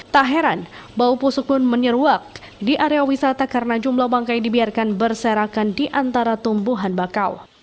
tak heran bau pusuk pun menyeruak di area wisata karena jumlah bangkai dibiarkan berserakan di antara tumbuhan bakau